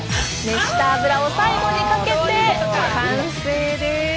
熱した油を最後にかけて完成です。